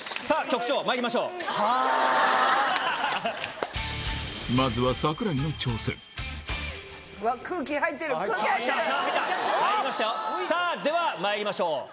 さぁではまいりましょう。